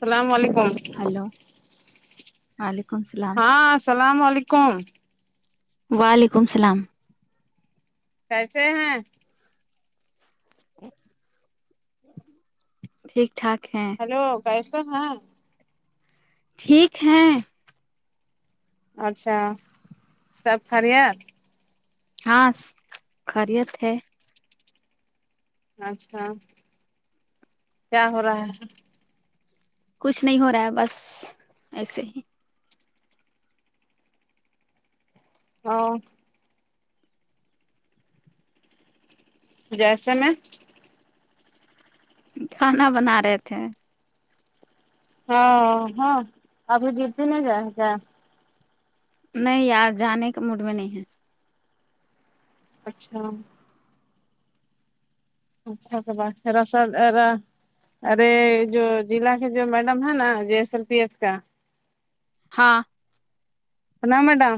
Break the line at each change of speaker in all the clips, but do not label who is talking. سلام وعلیکم
ہلو وعلیکم اسلام
ہاں السلام علیکم
وعلیکم السلام
کیسے ہیں
[unintelligible] ا ٹھیک ٹھاک ہیں
ہیلو کیسے ہیں
ٹھیک ہے
اچھا سب خیریت
ہاں خیریت ہے
اچھا کیا ہو رہا ہے
کچھ نہیں ہو رہا ہے بس ایسے ہی
ہاں جیسے میں
کھانا بنا رہے تھے
ہاں ہاں ابھی ڈیوٹی نہیں جائے گا
نہیں یار جانے کے موڈ میں نہیں ہے
اچھا اچھا کے بات دراصل ارا ارے جو ضلع کے جو میڈم ہے نا J S L P F کا
ہاں
فلا میڈم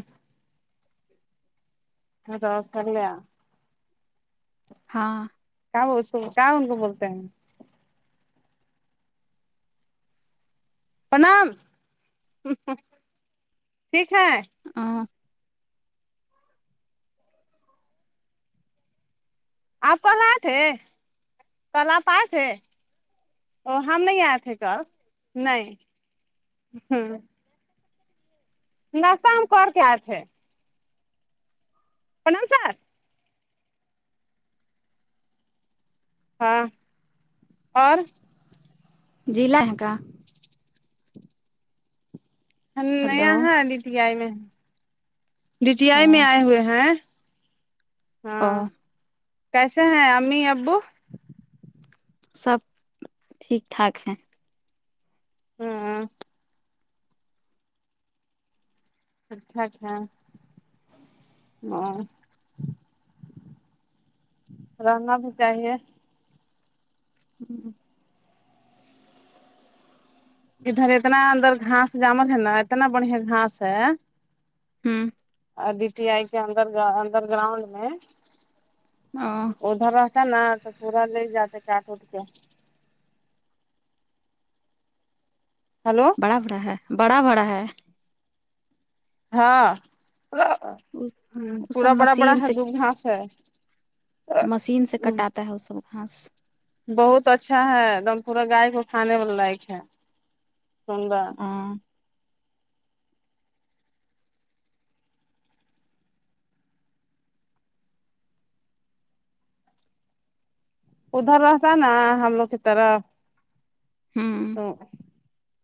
[unintelligible]
ہاں
کیا وہ اس کیا ان کو بولتے ہیں پرنام ٹھیک ہے
ام
آپ کل اے تھے کل آپ آئے تھے ا ہم نہیں آئے تھے کل نہیں ہ ناشتہ ہم کرکے اے تھے پرنام سر ہاں اور
جیلا ہے کا ہیلو
ئی میں ڈی ٹی آئی میں
ا
آئے ہوئے ہیں
او
ہاں کیسے ہیں امی ابو
سب ٹھیک ٹھاک ہے
ہاں اچھا اچھا ام رہنا بھی چاہیے ادھر اتنا اندر گھاس جامل ہے نا اتنا بڑھیا گاس ہے
ہوں
ڈی ٹی آئی کےر انڈر گرانڈ میں
او
ھر رہاتا نا تو پورا لے جاتا کاٹ اٹ کے ہیلو
بڑا بڑا ہے بڑا بڑا ہے
ہاں ہ
وہ سب
پورا بڑا بڑا
مشین
ہے
سے
دب گھاس ہے
مشین سے کٹاتا ہے وہ سب گاس
بہت اچھا ہے ایک دم پورا گائے کو کھانے والا لائق ہے سندر
ہاں
ادھر رہتا نا ہم لوگ کے طرف
ہوں
تو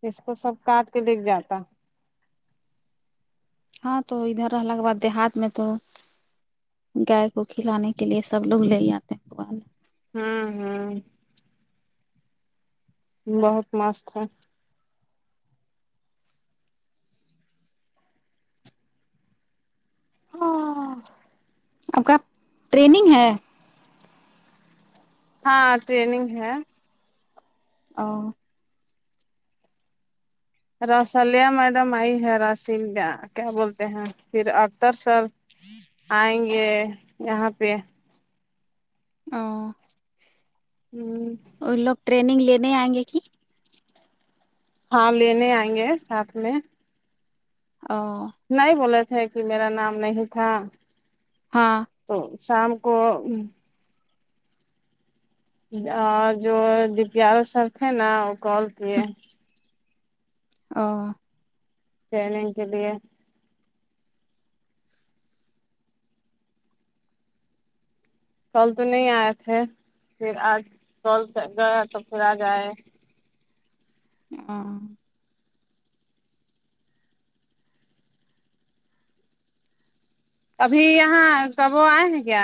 اس کو سب کاٹ کے دگ جاتا
ہاں تو ادھر رہلا کے بعد دیہات میں تو گائے کو کھلانے کے لیے سب لوگ لے جاتے ہیں پ
ہم ہم بہت مست ہے ہاں
آپ کا ٹریننگ ہے
ہاں ٹریننگ ہے
ا
رسلیا میڈم آئی ہے راسل کیا بولتے ہیں پھر اکتر سر آئنگے یہاں پہ
امم
ہوں
ان لوگ ٹریننگ لینے آئیں گے کہ
ہاں لینے آئیں گے ساتھ میں
ا
نہیں بولے تھے کہ میرا نام نہیں تھا
ہاں
تو شام کو اور جو D P R O sir تھے نا وہ کال کے
ہاں
کے لیے کال تو نہیں آئے تھے پھر آج کال گیا تو پھر آج آئے
ہاں
ابھی یہاں کب وہ آئے ہیں کیا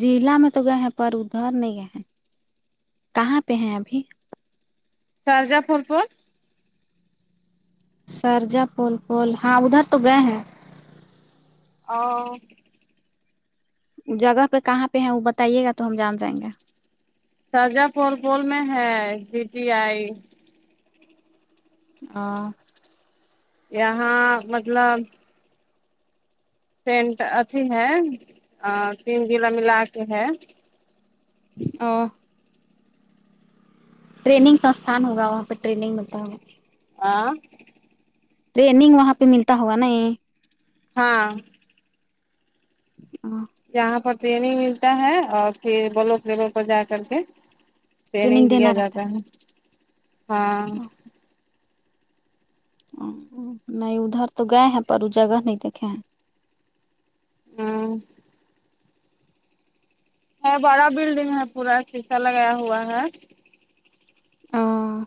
ضلع میں تو گئے ہیں پر ادھر نہیں گئے ہیں کہاں پہ ہیں ابھی
سارجہ پول پول
سارجہ پول پول ہاں ادھر تو گئے ہیں
او
جگہ پہ کہاں پہ ہے وہ بتائیے گا تو ہم جان جائیں گے
سارجہ پول پول میں ہے جی ٹی آئی
ہاں
یہاں مطلب سینٹ ابھی ہے آں تین جلا ملا کے ہے
آں ٹریننگ ستھان ہوگا وہاں پہ ٹریننگ ملتا
آاں
ٹریننگ وہاں پہ ملتا ہوگا نا ایں
ہاں
ہمم
یہاں پر ٹرینگ ملتا ہے اور پھر بلک جگہ پر جا کر کے ٹریننگ دیا
دینا رہتا
جاتا ہے ہاں
ہے نہیں ادھر تو گئے ہیں پر وہ جگہ نہیں دیکھے ہیں
ہمم ہے بڑا بلڈنگ ہے پورا شیشہ لگایا ہوا ہے
ہممم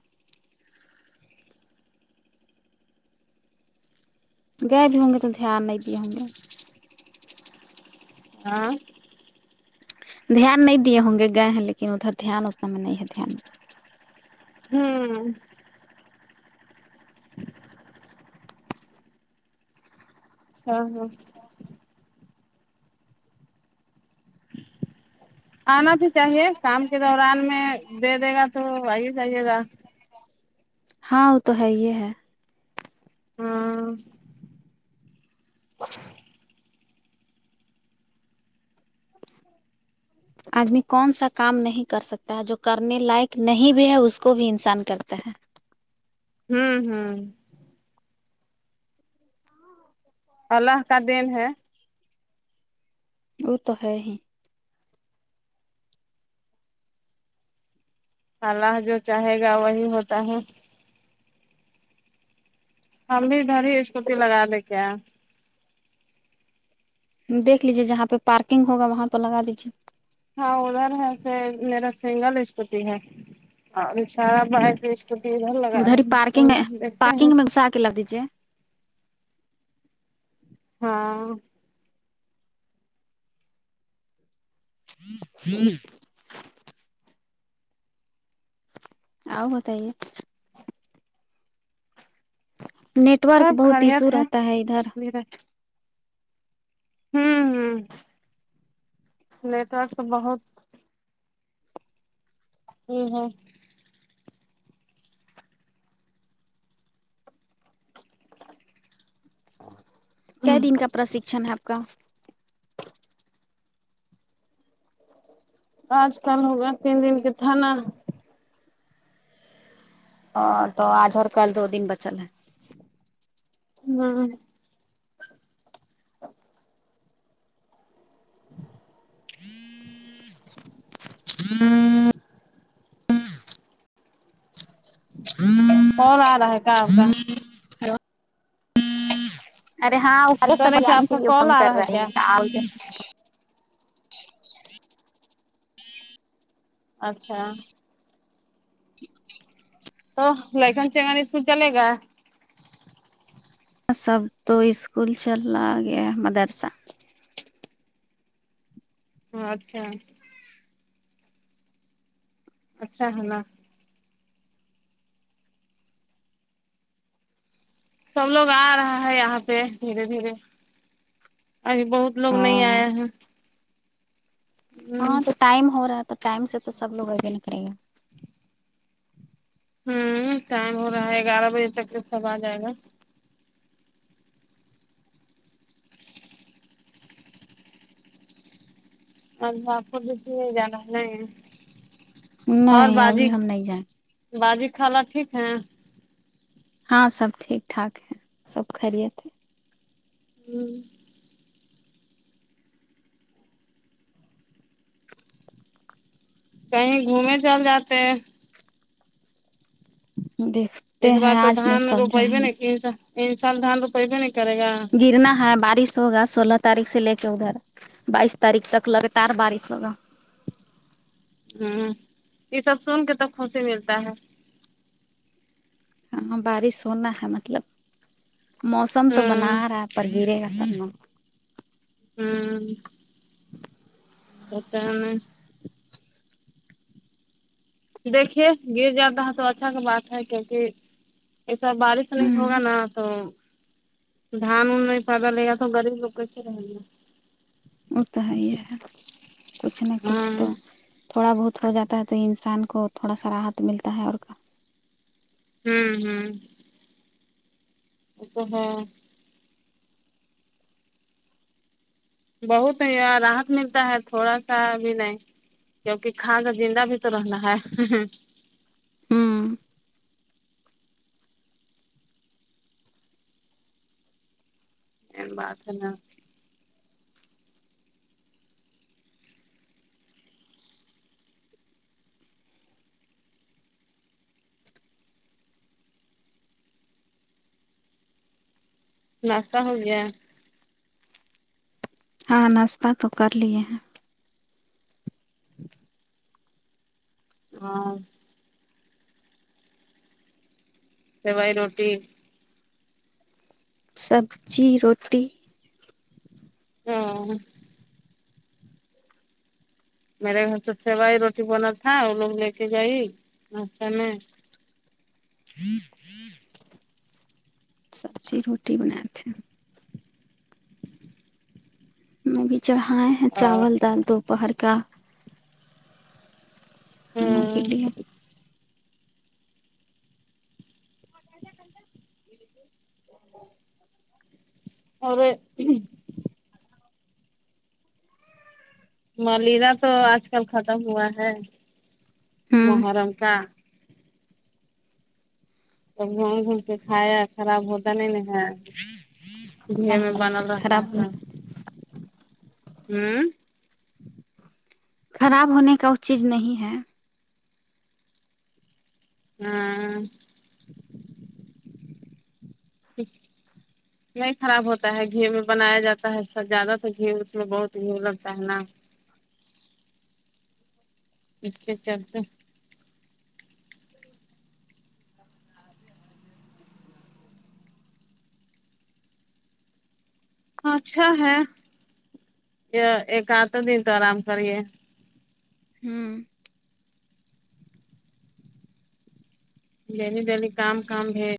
گئے بھی ہوں گے تو دھیان نہیں دیے ہوں گے
ہاں
دھیان نہیں دیے ہوں گے گئے ہیں لیکن ادھر دھیان اتنا میں نہیں ہے دھیان
ہوں ہاں ہاں آنا تو چاہیے کام کے دوران میں دے دے گا تو وہی چاہیے گا
ہاں وہ تو ہے یہ ہے
ہاں
آدمی کون سا کام نہیں کر سکتا ہے جو کرنے لائق نہیں بھی ہے اس کو بھی انسان کرتا ہے
ہوں ہوں اللہ کا دین ہے
وہ تو ہے ہی
اللہ جو چاہے گا وہی ہوتا ہے ہم بھی ادھر ہی اسکوٹی لگا دیں کیا
دیکھ لیجیے جہاں پہ پارکنگ ہوگا وہاں پر لگا دیجیے
ہاں ادھر ہے پھر میرا سنگل اسکوٹی ہے ہانیشرا باہر کی ہے اسکوٹی ادھر لگا رہے
ہی
ہیں
پارکنگ ہے
ہمم دیکھتے ہیں
پارکنگ میں گھسا کے ل دیجیے
ہاں
آؤ بتائیے نیٹورک بہت ایشو رہتا ہے ادھر کا
ویرا ہوں ہ نٹوارک تو بہت ہوں ہوں
کیا دن کا پرشکشن ہے آپ کا
آج کل ہوگا تین دن کے تھانا
اور تو آج اور کل دو دن بچل ہے
ہاں ا [inaudible] اور آرہا ہے کام کا [unintelligible]
ارے ہاں
کہہ رہے کہ
جان
آپ
کے
کا
لیے فون
کال آ
کر رہا
کیا
ہے [inaudible]
اچھا تو لیکن چگنے سو چلے گا
سب تو اسکول چل رہا گیا مدرسہ
اچھا اچھا ہے سب لوگ آ رہا ہے یہاں پہ دھیرے دھیرے ابھی بہت لوگ نہیں
ہاں
آیا ہے ہوں
ہاں تو ٹائم ہو رہا ہے تو ٹائم سے تو سب لوگ آگے نکلے گا
ہوں ٹائم ہو رہا ہے گیارہ بجے تک کے سب آ جائے گا اور باپ بھی چھوڈی میں جا ہے
گا
اور
نہیں
بازی
ابھی ہم نہیں جائیں
بازی خالہ ٹھیک ہے
ہاں سب ٹھیک ٹھاک ہے سب خیریت ہے
ہوں کہیں گھومے چل جاتے
دیک
اس بار تو دھان روپیے نہیں ان سال دھان روپیبے نہیں کرے گا
گرنا ہے بارش ہوگا سولہ تاریخ سے لے کے ادھر بائیس تاریخ تک لگاتار بارش ہوگا
ہوں یہ سب سن کے تو خوشی ملتا ہے
ہاں بارش ہونا ہے مطلب موسم تو بنا
ہوں
رہا ہے پر گرے ہی
ھن سک میں [unintelligible] دیکھیے گر جاتا ہے تو اچھا کا بات ہے کیکہ ایسا بارش نہیں ہوگا
ہوں
نا تو دان نہیں فازہ لگ گا تو گغریب لوگ ک رہ گ [unintelligible]
تو ہے یہ ہے کچھ نہ
ہاں
کچھ تو تھوڑا بہت ہو جاتا ہے تو انسان کو تھوڑا سا راحت ملتا ہے اور
ہوں ہوں اپہا [unintelligible] بہت راحت ملتا ہے تھوڑا سا بھی نہیں کیونکہ کھاکا زندہ بھی تو رہنا ہے
ہوں
بات ہے نا ناشتہ ہو گیا
ہاں ناشتہ تو کر لیے ہیں
ہاں سوائی روٹی
سبزی روٹی
ہ میرے گھر سے سیواائی روٹی بنا تھا وہ لوگ لے کے جائی ناشتہ میں
سب چیز روٹی بناے تھے اب بھی چڑھائے ہیں
اور
چاول دال دوپہر کا ہا کی
ہاں
لیے [unintelligible] [unintelligible]
اور ملیرا تو آج کل ختم ہوا ہے
ہوں
محرم کا توب گنگ گھوم سے کایا خراب ہوتا نہیں نا گھی میں
نہیں
بنل
سب
رہتا ہے
خراب
تو
ہونے
آمم
خراب ہونے کا وہ چیز نہیں ہے
آمم اچ نہیں خراب ہوتا ہے گھی میں بنایا جاتا ہے سب زیادہ تو گھی اس میں بہت گھیو لگتا ہے نا [inaudible] اچھا ہے یہ ایک آدھ دن تو آرام کریے
ہوں
لین دین کام کام ہے